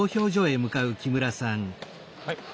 はい。